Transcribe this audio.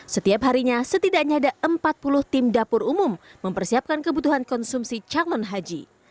setiap harinya setidaknya ada empat puluh tim dapur umum mempersiapkan kebutuhan konsumsi calon haji